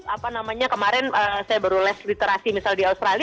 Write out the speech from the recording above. apa namanya kemarin saya baru les literasi misal di australia